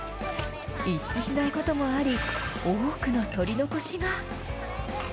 一致しないこともあり、多くの取り残しが。